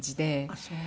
ああそう。